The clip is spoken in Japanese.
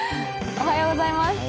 おはようございます。